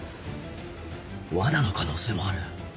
罠の可能性もある。